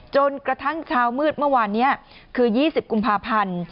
จนกระทั่งเช้ามืดเมื่อวานนี้คือ๒๐กุมภาพันธ์